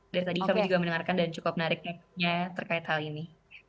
dari tadi kami juga mendengarkan dan cukup menarik terkait hal ini